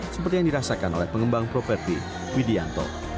seperti yang dirasakan oleh pengembang properti widianto